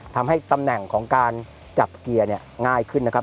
ทำให้ตำแหน่งของการจับเกียร์เนี่ยง่ายขึ้นนะครับ